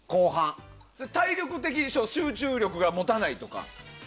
体力的に集中力が持たないとか？